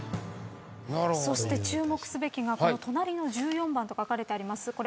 そして注目すべきが隣の１４番と書かれてあります